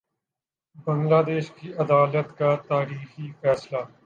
بنگلہ دیش کی عدالت کا تاریخی فیصلہ